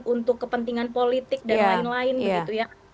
untuk kepentingan politik dan lain lain